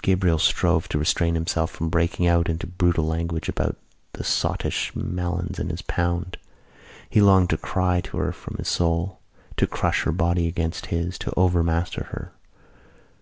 Gabriel strove to restrain himself from breaking out into brutal language about the sottish Malins and his pound. He longed to cry to her from his soul, to crush her body against his, to overmaster her.